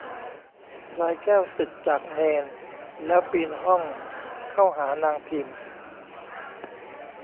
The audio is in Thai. พลายแก้วสึกจากเณร แล้วปีนห้องเข้าหานางพิม